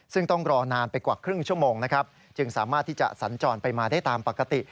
ซึ่งต้องรอนานไปกว่าครึ่งชั่วโมงนะครับจึงสามารถที่จะสัญจรไปมาได้ตามปกติ